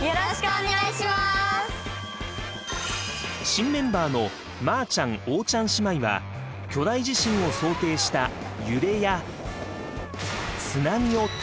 新メンバーのまーちゃんおーちゃん姉妹は巨大地震を想定した揺れや津波を体験。